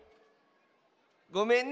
ごめんね